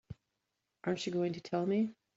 Aren't you going to tell me?